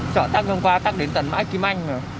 chợ tắc hôm qua tắc đến tận mãi kim anh